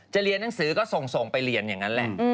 เรียนหนังสือก็ส่งไปเรียนอย่างนั้นแหละ